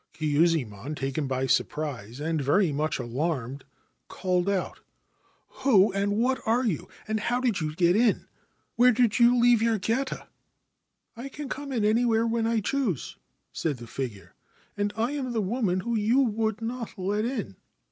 Kyuzae mon, taken by surprise and very much alarmed, called out : 1 Who and what are you, and how did you get in ? Where did you leave your geta.' 1 'I can come in anywhere when I choose,' said the figure, cand I am the woman you would not let in.